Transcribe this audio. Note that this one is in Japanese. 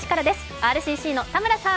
ＲＣＣの田村さん。